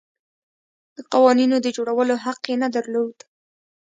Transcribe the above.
د قوانینو د جوړولو حق یې نه درلود.